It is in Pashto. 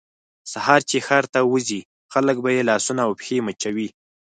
سهار چې ښار ته وځي خلک به یې لاسونه او پښې مچوي.